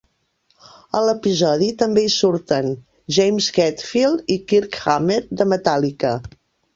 A l'episodi també hi surten James Hetfield i Kirk Hammett de Metallica.